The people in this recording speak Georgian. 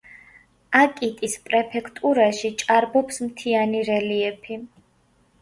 აკიტის პრეფექტურაში ჭარბობს მთიანი რელიეფი.